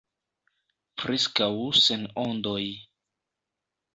Preskaŭ sen ondoj.